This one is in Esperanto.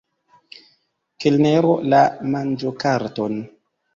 Kelnero, la manĝokarton!